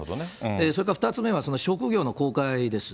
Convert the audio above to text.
それから２つ目は職業の公開です。